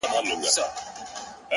• هم ویالې وې وچي سوي هم سیندونه ,